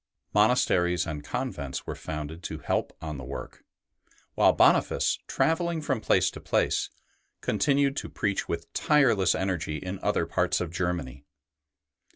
Monasteries and convents were founded to help on the work, while Boniface, travelling from place to place, con ii6 ST. BENEDICT tinued to preach with tireless energy in other parts of Germany.